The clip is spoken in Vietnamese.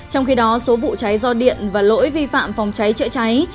trong khi đó số vụ cháy do điện và lỗi vi phạm phòng cháy chữa cháy